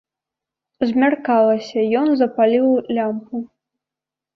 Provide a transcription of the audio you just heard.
Змяркалася, ён запаліў лямпу.